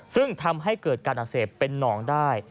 ซึ่งทำให้เกิดการอักเสบเป็นหนองได้